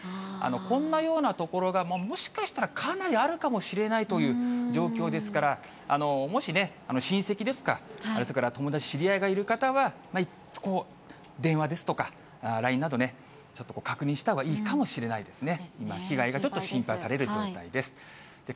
こんなような所が、もしかしたらかなりあるかもしれないという状況ですから、もし親戚ですとか、それから友達、知り合いがいる方は、電話ですとか、ＬＩＮＥなど、ちょっと確認したほうがいいかもしれないですね。